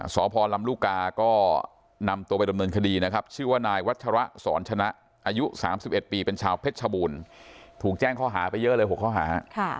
สพลำลูกกาก็นำตัวไปดำเนินคดีนะครับชื่อว่านายวัชระสอนชนะอายุ๓๑ปีเป็นชาวเพชรชบูรณ์ถูกแจ้งข้อหาไปเยอะเลย๖ข้อหา